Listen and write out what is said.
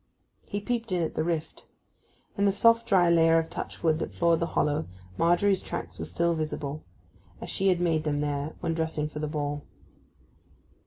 He peeped in at the rift. In the soft dry layer of touch wood that floored the hollow Margery's tracks were still visible, as she had made them there when dressing for the ball.